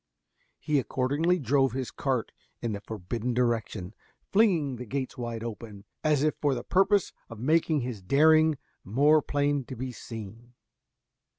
He accordingly drove his cart in the forbidden direction, flinging the gates wide open, as if for the purpose of making his daring more plain to be seen.